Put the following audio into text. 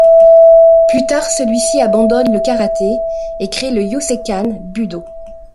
Plus tard celui-ci abandonne le karaté et crée le yoseikan budo.